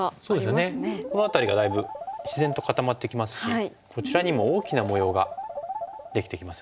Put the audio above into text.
そうですよねこの辺りがだいぶ自然と固まってきますしこちらにも大きな模様ができてきますよね。